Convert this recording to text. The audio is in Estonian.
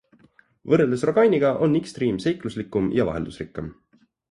Võrreldes rogainiga on Xdream seikluslikum ja vaheldusrikkam.